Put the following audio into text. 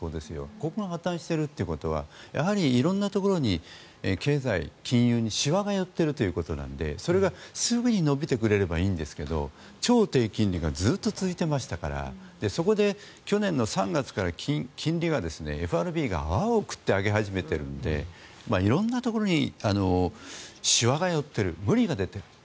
ここが破たんしているということはやはり、色んなところに経済、金融にしわが寄っているということなのでそれがすぐに伸びてくれればいいんですが超低金利がずっと続いていましたからそこで去年の３月から、金利がＦＲＢが泡を食って上げ始めてるので色んなところにしわが寄っている無理が出ている。